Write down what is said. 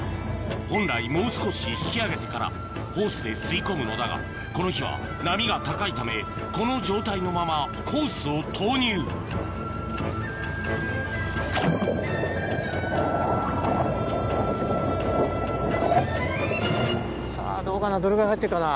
本来もう少し引き上げてからホースで吸い込むのだがこの日は波が高いためこの状態のままホースを投入さぁどうかな？